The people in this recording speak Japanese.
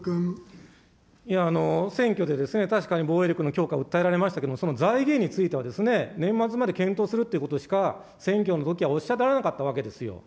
選挙で、確かに防衛力の強化を訴えられましたけれども、その財源については年末まで検討するということしか、選挙のときはおっしゃられなかったわけですよ。